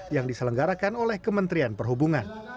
yang diselenggarakan oleh kementerian perhubungan